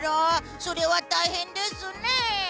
それは大変ですね。